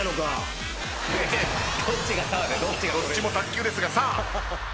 どっちも卓球ですが。